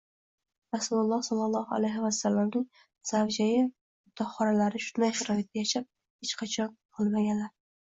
Rasululloh sollallohu alayhi vasallamning zavjai mutohharalari shunday sharoitda yashab, hech qachon nolimaganlar